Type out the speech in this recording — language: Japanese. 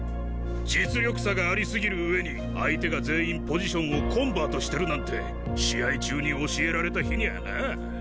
実力差がありすぎる上に相手が全員ポジションをコンバートしてるなんて試合中に教えられた日にゃあな。